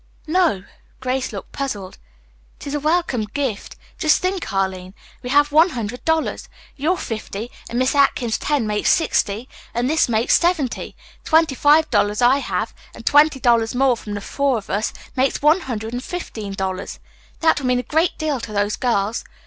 "No." Grace looked puzzled. "It is a welcome gift. Just think, Arline, we have one hundred dollars. Your fifty, and Miss Atkins's ten makes sixty, and this makes seventy. The twenty five dollars I have and twenty dollars more from the four of us makes one hundred and fifteen dollars. That will mean a great deal to those girls.